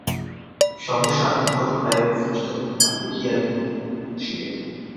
সহসা নক্ষত্ররায়ের শ্রেষ্ঠত্বাভিমান দেখিয়া তিনি মনে মনে হাসিলেন।